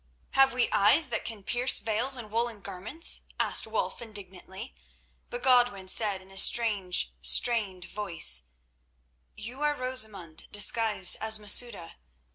"Have we eyes that can pierce veils and woollen garments?" asked Wulf indignantly; but Godwin said in a strange, strained voice: "You are Rosamund disguised as Masouda.